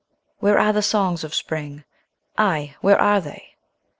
3. Where are the songs of Spring? Ay, where are they?